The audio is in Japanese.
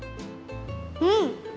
うん！